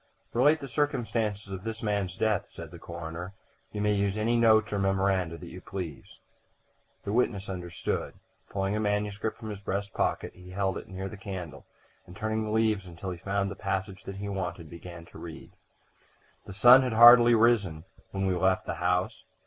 "Relate the circumstances of this man's death," said the coroner. "You may use any notes or memoranda that you please." The witness understood. Pulling a manuscript from his breast pocket he held it near the candle, and turning the leaves until he found the passage that he wanted, began to read. II "...The sun had hardly risen when we left the house.